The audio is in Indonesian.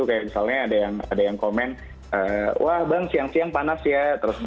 kayak misalnya ada yang komen wah bang siang siang panas ya